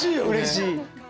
うれしい。